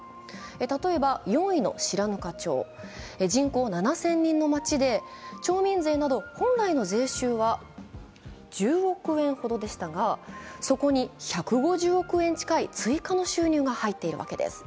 例えば４位の白糠町住民７０００人の町で町民税など本来の税収は１０億円ほどでしたが、そこに１５０億円近い追加の収入が入っているわけです。